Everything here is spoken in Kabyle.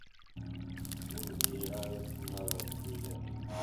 Ur bɣiɣ ara ad tennaleḍ dduzan-iw.